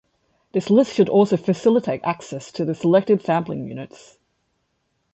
This list should also facilitate access to the selected sampling units.